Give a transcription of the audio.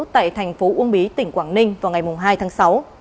tại tp uông bí tỉnh quảng ninh vào ngày hai tháng sáu